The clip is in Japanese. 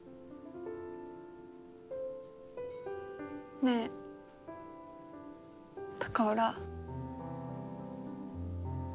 ねえ高浦。